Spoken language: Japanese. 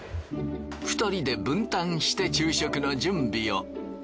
２人で分担して昼食の準備を。